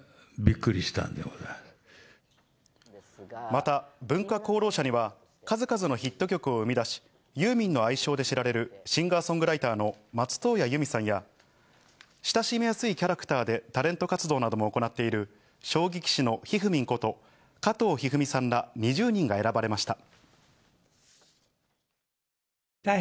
また文化功労者には数々のヒット曲を生み出し、ユーミンの愛称で知られるシンガー・ソングライターの松任谷由実さんや、親しみやすいキャラクターでタレント活動なども行っている将棋棋士のひふみんこと、加藤一二三さんら２０人が選ばれました。